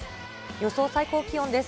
予想最高気温です。